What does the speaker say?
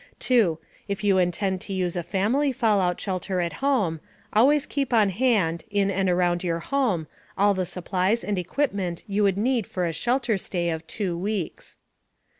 2. If you intend to use a family fallout shelter at home, always keep on hand, in and around your home, all the supplies and equipment you would need for a shelter stay of two weeks.